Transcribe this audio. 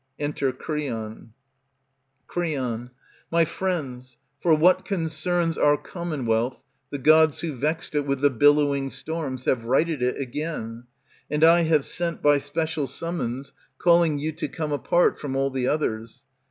Enter Creon, Creon, My friends, for what concerns our common wealth, The Gods who vexed it with the billowing storms Have righted it again ; and I have sent, By special summons, calling you to come Apart from all the others.